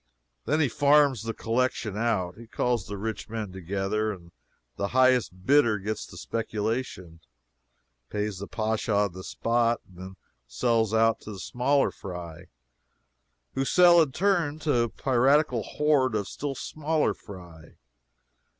Then he farms the collection out. He calls the rich men together, the highest bidder gets the speculation, pays the Pacha on the spot, and then sells out to smaller fry, who sell in turn to a piratical horde of still smaller fry.